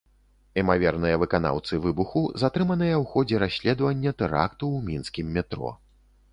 Імаверныя выканаўцы выбуху затрыманыя ў ходзе расследавання тэракту ў мінскім метро.